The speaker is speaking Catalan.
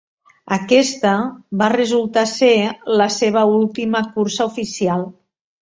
Aquesta va resultar ser la seva última cursa oficial.